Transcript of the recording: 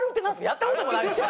やった事もないんですよ。